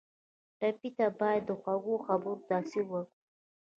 ټپي ته باید د خوږو خبرو تاثیر ورکړو.